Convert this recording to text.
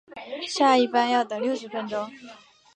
下一班要等六十分钟